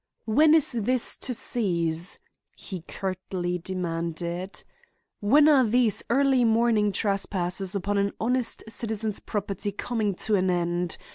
"When is this to cease?" he curtly demanded. "When are these early morning trespasses upon an honest citizen's property coming to an end?